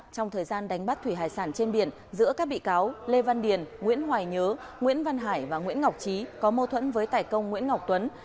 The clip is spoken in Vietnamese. trong thời gian đánh bắt thủy hải sản trên biển giữa các bị cáo lê văn điền nguyễn hoài nhớ nguyễn văn hải và nguyễn ngọc trí có mâu thuẫn với tài công nguyễn ngọc tuấn